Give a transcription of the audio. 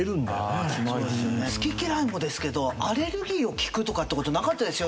好き嫌いもですけどアレルギーを聞くとかって事なかったですよね。